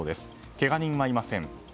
けが人はいません。